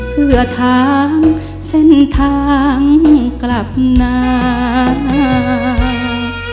เพื่อถามเส้นทางกลับนาย